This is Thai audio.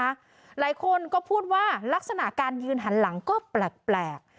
หลายคนก็พูดว่าลักษณะการยืนหันหลังก็แปลก